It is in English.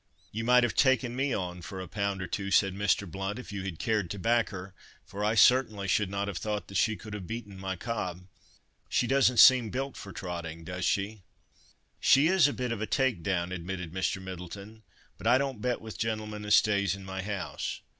"You might have 'taken me on' for a pound or two," said Mr. Blount, "if you had cared to back her, for I certainly should not have thought she could have beaten my cob. She doesn't seem built for trotting—does she?" "She is a bit of a take down," admitted Mr. Middleton, "but I don't bet with gentlemen as stays in my house.